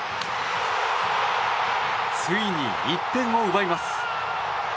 ついに１点を奪います。